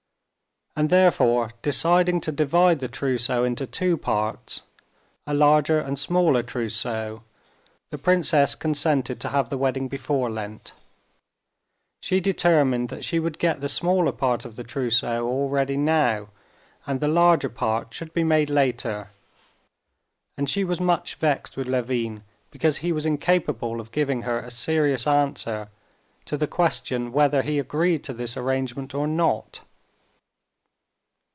And therefore, deciding to divide the trousseau into two parts—a larger and smaller trousseau—the princess consented to have the wedding before Lent. She determined that she would get the smaller part of the trousseau all ready now, and the larger part should be made later, and she was much vexed with Levin because he was incapable of giving her a serious answer to the question whether he agreed to this arrangement or not.